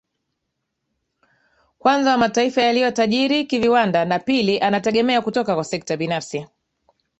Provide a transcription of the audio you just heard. kwanza wa mataifa yaliyo tajiri kiviwanda na pili anategemea kutoka kwa sekta binafsi